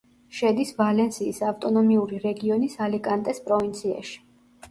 შედის ვალენსიის ავტონომიური რეგიონის ალიკანტეს პროვინციაში.